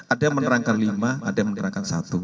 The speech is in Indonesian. ada yang menerangkan lima ada yang menerangkan satu